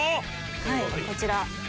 はいこちら。